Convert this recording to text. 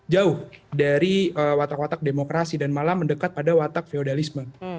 jauh dari watak watak demokrasi dan malah mendekat pada watak feodalisme